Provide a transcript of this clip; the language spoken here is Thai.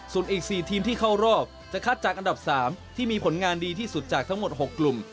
ส่วนอีก๔ทีมที่เข้ารอบจะคัดจากอันดับ๓ที่มีผลงานดีที่สุดจากทั้งหมด๖กลุ่ม